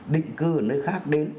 định cư ở nơi khác đến